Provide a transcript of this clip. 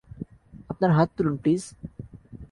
আপনার হাত তুলুন, প্লিজ।